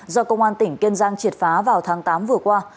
do công an tỉnh kiên giang triệt phá vào tháng tám vừa qua